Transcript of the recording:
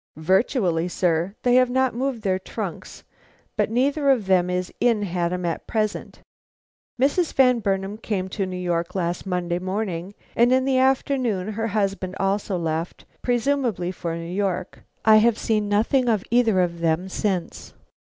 "Virtually, sir. They have not moved their trunks; but neither of them is in Haddam at present. Mrs. Van Burnam came to New York last Monday morning, and in the afternoon her husband also left, presumably for New York. I have seen nothing of either of them since."